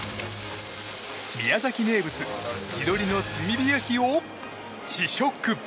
宮崎名物、地鶏の炭火焼きを試食。